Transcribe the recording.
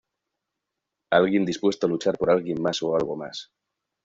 Alguien dispuesto a luchar por alguien mas o algo más.